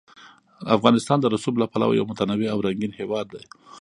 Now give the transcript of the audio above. افغانستان د رسوب له پلوه یو متنوع او رنګین هېواد دی.